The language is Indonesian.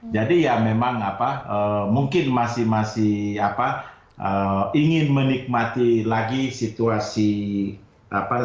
jadi ya memang mungkin masih ingin menikmati lagi situasi terbesar